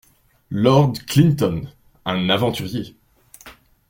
Lord Clinton Un aventurier.